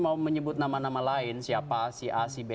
mau menyebut nama nama lain siapa si a si b